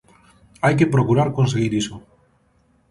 Hai que procurar conseguir iso.